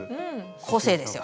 個性ですよ。